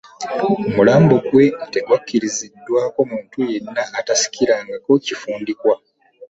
Omulambo gwe tegwakkiriziddwako muntu yenna atasikirangako kifundikwa